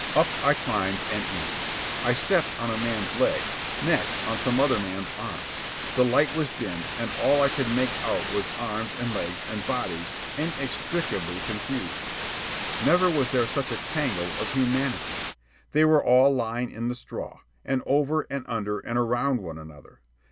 Up I climbed and in. I stepped on a man's leg, next on some other man's arm. The light was dim, and all I could make out was arms and legs and bodies inextricably confused. Never was there such a tangle of humanity. They were all lying in the straw, and over, and under, and around one another.